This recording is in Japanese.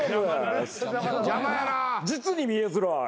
実に見えづらい。